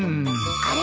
あれ？